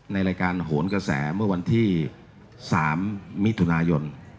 ในรายการโหนกระแสเมื่อวันที่๓มิถุนายน